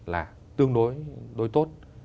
là tương đối tốt